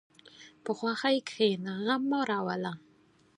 په خوښۍ کښېنه، غم مه راوله.